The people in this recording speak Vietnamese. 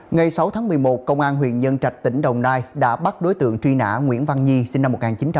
ngày sáu tháng một mươi một công an huyện nhân trạch tỉnh đồng nai đã bắt đối tượng truy nã nguyễn văn nhi sinh năm một nghìn chín trăm tám mươi